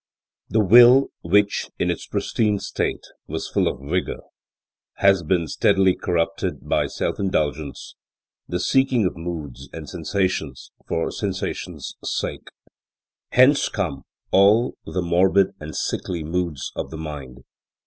The will, which, in its pristine state, was full of vigour, has been steadily corrupted by self indulgence, the seeking of moods and sensations for sensation's sake. Hence come all the morbid and sickly moods of the mind.